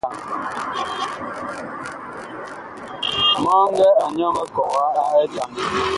Mɔŋgɛ a nyɔŋ ekɔga a etaŋ.